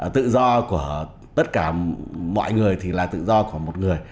tự do của tất cả mọi người thì là tự do của một người